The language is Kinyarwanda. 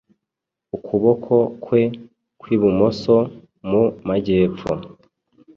Ukuboko kwe kw'ibumoso mu majyepfo